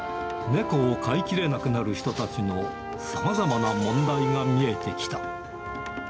猫を飼いきれなくなる人たちのさまざまな問題が見えてきた。